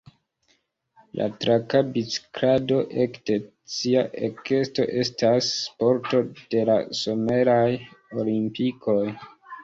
La traka biciklado ekde sia ekesto estas sporto de la Someraj Olimpikoj.